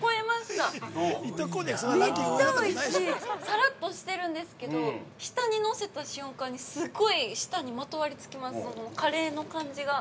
さらっとしてるんですけど舌に乗せた瞬間に、すごい舌にまとわりつきます、カレーの感じが。